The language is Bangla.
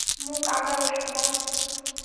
মুখ আগাও, সোনা।